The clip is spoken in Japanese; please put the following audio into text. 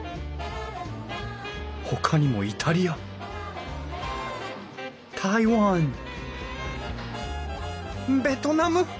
ほかにもイタリア台湾ベトナム！